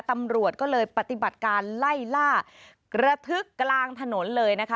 ตำรวจก็เลยปฏิบัติการไล่ล่ากระทึกกลางถนนเลยนะคะ